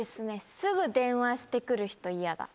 「すぐ電話してくる人、嫌だ」。